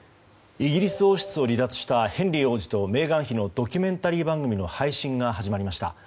イギリス王室を離脱したヘンリー王子とメーガン妃のドキュメンタリー番組の配信が始まりました。